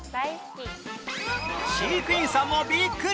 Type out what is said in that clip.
飼育員さんもビックリ！